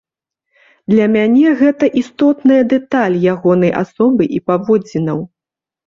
Для мяне гэта істотная дэталь ягонай асобы і паводзінаў.